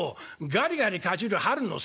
「『ガリガリかじる春のサメ』」。